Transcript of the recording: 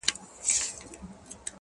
رسېدلى وو يو دم بلي دنيا ته٫